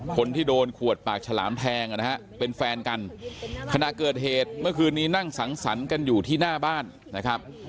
คนที่โดนขวดปากฉลามแทงนะฮะเป็นแฟนกันขณะเกิดเหตุเมื่อคืนนี้นั่งสังสรรค์กันอยู่ที่หน้าบ้านนะครับ